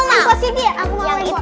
aku mau yang itu